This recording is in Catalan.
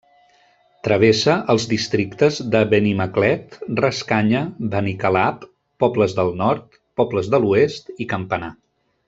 Travessa els districtes de Benimaclet, Rascanya, Benicalap, Pobles del Nord, Pobles de l'Oest i Campanar.